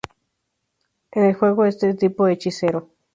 En el juego, es de tipo Hechicero.